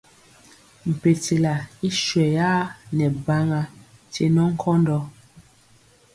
Mpekyela i swɛyaa nɛ baŋa nkye nɔ nkɔndɔ.